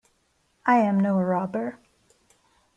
I am no robber.